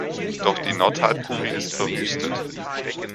Doch die Nordhalbkugel ist verwüstet.